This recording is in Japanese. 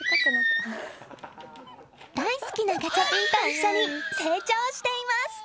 大好きなガチャピンと一緒に成長しています。